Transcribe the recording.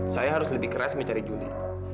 saya harus lebih keras mencari juli